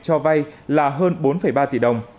cho vay là hơn bốn ba tỷ đồng